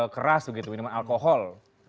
keras begitu minuman alkohol